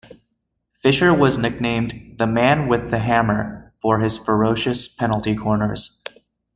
Fischer was nicknamed "The Man with The Hammer" for his ferocious penalty corners.